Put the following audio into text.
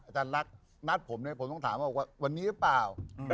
รักนัดผมเนี่ยผมต้องถามว่าวันนี้หรือเปล่า